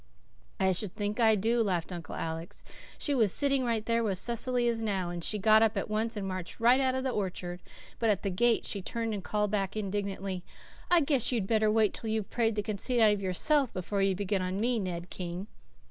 "I should think I do," laughed Uncle Alec. "She was sitting right there where Cecily is now, and she got up at once and marched right out of the orchard, but at the gate she turned to call back indignantly, 'I guess you'd better wait till you've prayed the conceit out of yourself before you begin on me, Ned King.